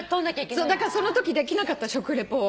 だからそのときできなかった食リポを。